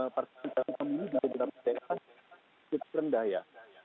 parti penumpukan pemilih di tps sedikit rendah ya